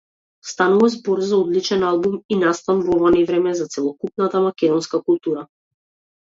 Станува збор за одличен албум и настан во ова невреме за целокупната македонска култура.